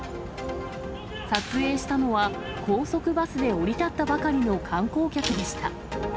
撮影したのは、高速バスで降り立ったばかりの観光客でした。